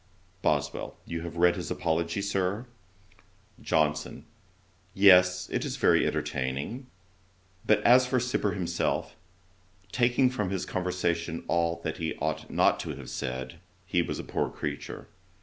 BOSWELL. 'You have read his apology, Sir?' JOHNSON. 'Yes, it is very entertaining. But as for Cibber himself, taking from his conversation all that he ought not to have said, he was a poor creature.